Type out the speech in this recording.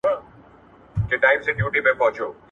دښمن د دوی د زړورتيا په وړاندې مات سو.